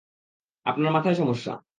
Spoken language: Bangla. আপনার মাথায় সমস্যা।